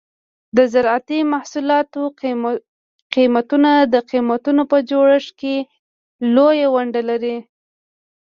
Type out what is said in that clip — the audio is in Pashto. د زراعتي محصولاتو قیمتونه د قیمتونو په جوړښت کې لویه ونډه لري.